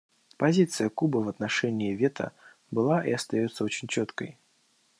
Позиция Кубы в отношении вето была и остается очень четкой.